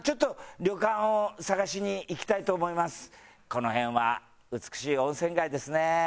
この辺は美しい温泉街ですね。